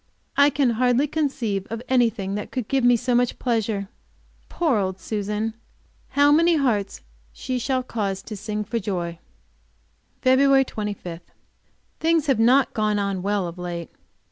I can hardly conceive of anything that give me so much pleasure! Poor old Susan! How many hearts she shall cause to sing for joy! Feb. 25. Things have not gone on well of late.